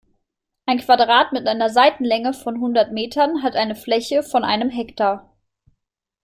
Ein Quadrat mit einer Seitenlänge von hundert Metern hat eine Fläche von einem Hektar.